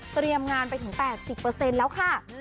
เตรียมงานไปถึง๘๐แล้วค่ะ